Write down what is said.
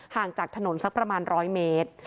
ห่างจากถนนสักประมาณ๑๐๐เมตร